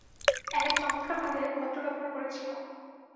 Alec চমৎকার ভাবে ভদ্র ব্যবহার করেছিল।